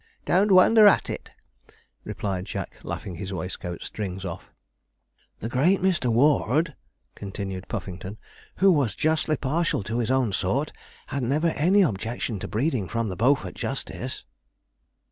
'Don't wonder at it,' replied Jack, laughing his waistcoat strings off. 'The great Mr. Warde,' continued Mr. Puffington, 'who was justly partial to his own sort, had never any objection to breeding from the Beaufort Justice.'